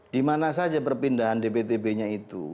dimana saja perpindahan dptb nya itu